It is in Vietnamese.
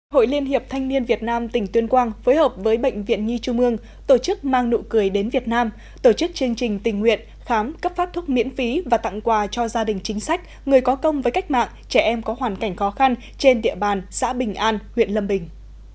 hội liên hiệp thanh niên việt nam tỉnh tuyên quang phối hợp với bệnh viện nhi trung ương tổ chức mang nụ cười đến việt nam tổ chức chương trình tình nguyện khám cấp phát thuốc miễn phí và tặng quà cho gia đình chính sách người có công với cách mạng trẻ em có hoàn cảnh khó khăn trên địa bàn xã bình an huyện lâm bình